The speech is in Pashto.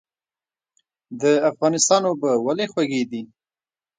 د افغانستان اوبه ولې خوږې دي؟